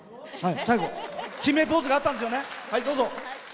最後決めポーズがあったんですよね。